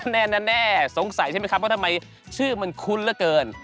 แน่สงสัยใช่ไหมครับว่าทำไมชื่อมันคุ้นเหลือเกิน